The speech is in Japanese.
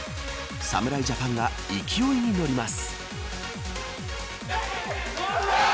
侍ジャパンが勢いに乗ります。